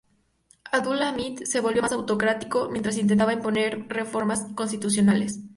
Abdul Hamid, se volvió más autocrático mientras intentaba imponer reformas constitucionales.